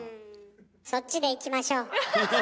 そっちでいきましょう。